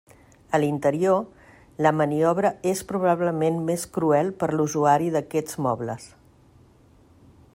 A l'interior, la maniobra és probablement més cruel per l'usuari d'aquests mobles.